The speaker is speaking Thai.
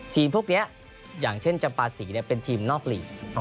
พวกนี้อย่างเช่นจำปาศีเป็นทีมนอกลีก